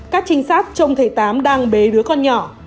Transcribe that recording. các trinh sát trông thầy tám đang bế đứa con nhỏ